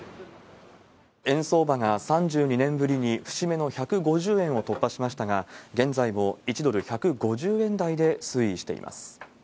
円相場が３２年ぶりに節目の１５０円を突破しましたが、現在も１ドル１５０円台で推移しています。